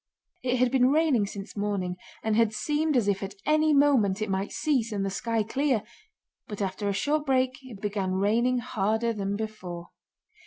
It had been raining since morning and had seemed as if at any moment it might cease and the sky clear, but after a short break it began raining harder than before.